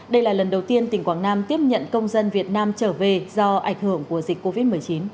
đây là lần đầu tiên tỉnh quảng nam tiếp nhận công dân việt nam trở về do ảnh hưởng của dịch covid một mươi chín